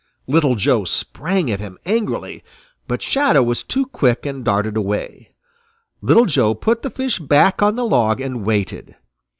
Little Joe sprang at him angrily, but Shadow was too quick and darted away. Little Joe put the fish back on the log and waited.